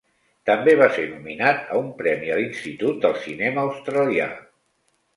També va ser nominat a un premi a l'Institut del cinema australià.